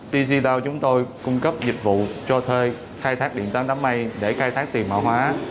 tc down chúng tôi cung cấp dịch vụ cho thuê khai thác điện toán đám mây để khai thác tiền mã hóa